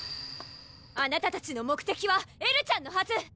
あなたたちの目的はエルちゃんのはず！